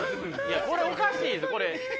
これおかしいです。